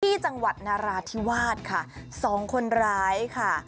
ที่จังหวัดนาราธิวาสค่ะสองคนร้ายค่ะ